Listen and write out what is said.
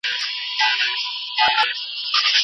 هغه د خپل زړه په حکم روانه وه.